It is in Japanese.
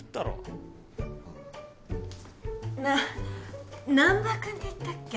な難破君っていったっけ？